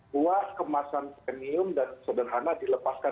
buah kemasan premium dan sederhana dilepaskan